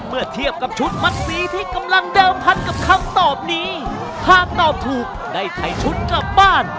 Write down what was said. เมื่อเทียบกับชุดมัดซีที่กำลังเดิมพันกับคำตอบนี้หากตอบถูกได้ถ่ายชุดกลับบ้าน